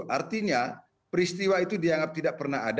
artinya peristiwa itu dianggap tidak pernah ada